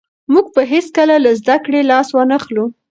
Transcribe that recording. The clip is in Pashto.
موږ به هېڅکله له زده کړې لاس ونه اخلو.